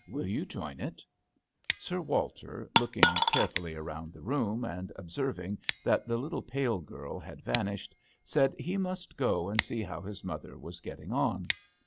Will you join it ?" Sir Walter, looking carefully round the room and observing that the little pale girl had THE HdTEL d'aNGLETERRE. 2$ vanished, said he must go and see how his mother was getting on.